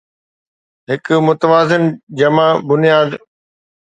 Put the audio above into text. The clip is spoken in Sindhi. هڪ متوازن جمع بنياد